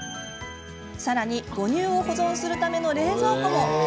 さらに、母乳を保存するための冷蔵庫も。